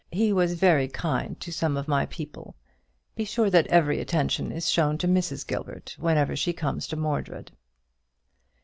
He was very kind to some of my people. Be sure that every attention is shown to Mrs. Gilbert whenever she comes to Mordred."